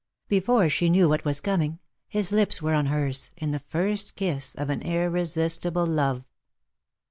Before she knew what was coming, his lips were on hers, in the first kiss of an irresistible love.